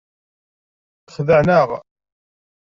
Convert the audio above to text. Xedεen-aɣ.